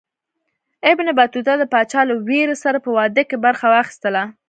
ابن بطوطه د پاچا له ورېرې سره په واده کې برخه واخیستله.